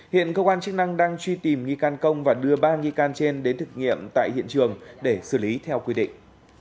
hiện cơ quan chức năng đang truy tìm nghi can công và đưa ba nghi can trên đến thực nghiệm tại hiện trường để xử lý theo quy định